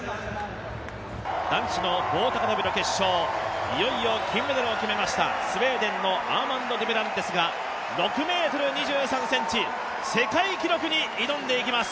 男子の棒高跳びの決勝、いよいよ金メダルを決めましたスウェーデンのアーマンド・デュプランティスが６ｍ２３ｃｍ、世界記録に挑んでいきます